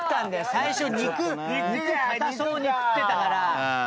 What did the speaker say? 最初肉硬そうに食ってたから。